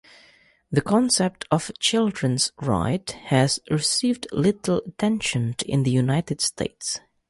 The concept of children's rights has received little attention in the United States.